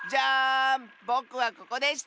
ぼくはここでした！